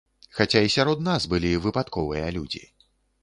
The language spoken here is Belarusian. Хаця і сярод нас былі выпадковыя людзі.